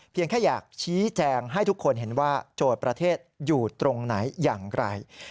แค่อยากชี้แจงให้ทุกคนเห็นว่าโจทย์ประเทศอยู่ตรงไหนอย่างไร